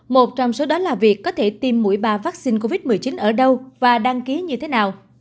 một trong số đó là việc có thể tiêm mũi ba vaccine covid một mươi chín ở đâu và đăng ký như thế nào